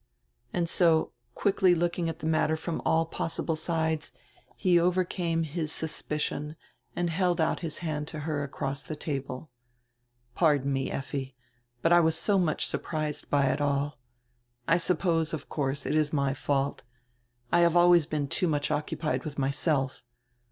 And so, quickly looking at die matter from all possihle sides, he overcame his suspicion and held out his hand to her across die table: "Pardon me, Effi, hut I was so much surprised by it all. I suppose, of course, it is my fault. I have always heen too much occupied with myself.